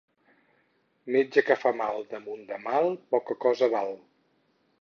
Metge que fa mal damunt de mal poca cosa val.